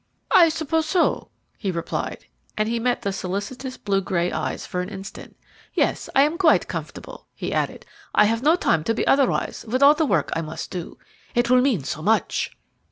"I suppose so," he replied, and he met the solicitous blue gray eyes for an instant. "Yes, I am quite comfortable," he added. "I have no time to be otherwise with all the work I must do. It will mean so much!"